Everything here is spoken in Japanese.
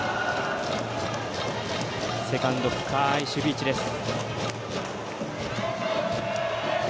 セカンド、深い守備位置です。